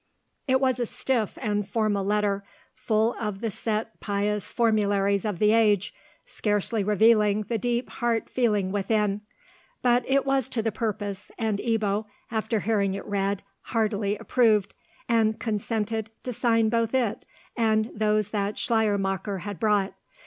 It was a stiff and formal letter, full of the set pious formularies of the age, scarcely revealing the deep heart feeling within; but it was to the purpose, and Ebbo, after hearing it read, heartily approved, and consented to sign both it and those that Schleiermacher had brought.